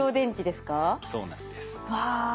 そうなんです。わ！